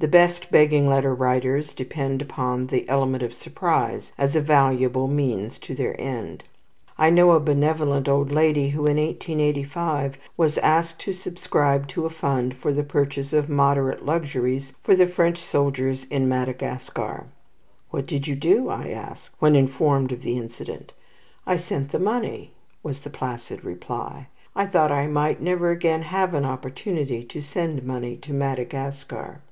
The best begging letter writers depend upon the element of surprise as a valuable means to their end. I knew a benevolent old lady who, in 1885, was asked to subscribe to a fund for the purchase of "moderate luxuries" for the French soldiers in Madagascar. "What did you do?" I asked, when informed of the incident. "I sent the money," was the placid reply. "I thought I might never again have an opportunity to send money to Madagascar."